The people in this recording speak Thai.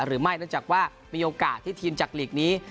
เนื่องจากว่ามีโอกาสที่ทีมจากหลีกนี้